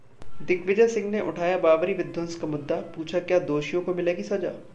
दिग्विजय सिंह ने उठाया बाबरी विध्वंस का मुद्दा, पूछा- क्या दोषियों को मिलेगी सजा?